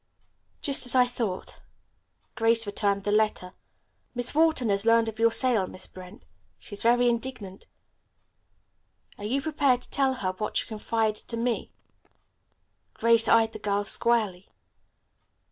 "Just as I thought." Grace returned the letter. "Miss Wharton has learned of your sale, Miss Brent. She is very indignant. Are you prepared to tell her what you confided to me?" Grace eyed the girl squarely.